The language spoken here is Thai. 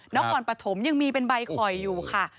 แล้วก่อนปฐมยังมีเป็นใบข่อยอยู่ค่ะ